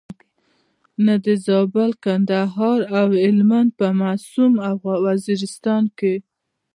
نه د زابل، کندهار او هلمند په معصوم وزیرستان کې.